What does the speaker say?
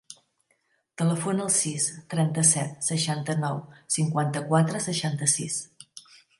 Telefona al sis, trenta-set, seixanta-nou, cinquanta-quatre, seixanta-sis.